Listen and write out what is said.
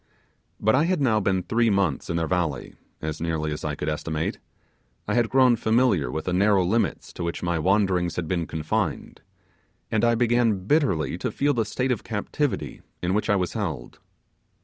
But I had now been three months in their valley, as nearly as I could estimate; I had grown familiar with the narrow limits to which my wandering had been confined; and I began bitterly to feel the state of captivity in which I was held.